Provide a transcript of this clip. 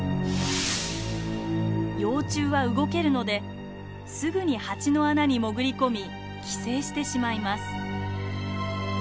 幼虫は動けるのですぐにハチの穴に潜りこみ寄生してしまいます。